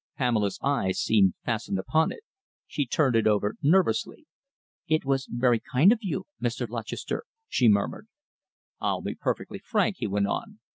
Pamela's eyes seemed fastened upon it. She turned it over nervously. "It is very kind of you, Mr. Lutchester," she murmured. "I'll be perfectly frank," he went on.